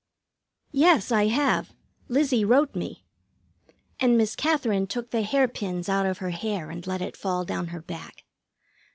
"Yes, I have; Lizzie wrote me." And Miss Katherine took the hair pins out of her hair and let it fall down her back.